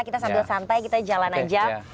kita sambil santai kita jalan aja